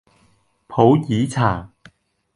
普洱茶